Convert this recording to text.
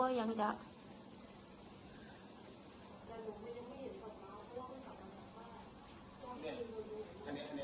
แต่ธรรมดาเงินแค่พันแปดอะพี่หนูบอกแล้วว่าไม่เอาแล้วเขาก็ยังไม่ได้